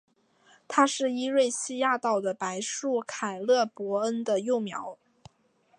它是伊瑞西亚岛的白树凯勒博恩的幼苗。